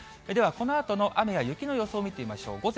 ではこのあとの雨や雪の予想を見てみましょう。